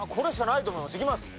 いきます！